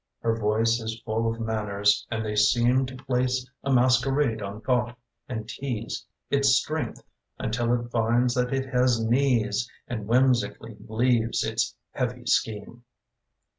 Her voice is full of manners and they seem To place a masquerade on thought and tease Its strength until it finds that it has knees, And whimsically leaves its heavy scheme.